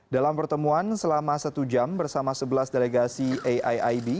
dalam pertemuan selama satu jam bersama sebelas delegasi aiib